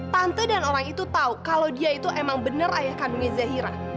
tante dan orang itu tahu kalau dia itu emang benar ayah kandungnya zairah